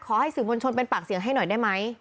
ขอให้สื่อมวลชนเป็นปากเสียงให้หน่อยได้ไหม